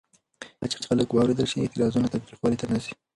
کله چې خلک واورېدل شي، اعتراضونه تاوتریخوالي ته نه ځي.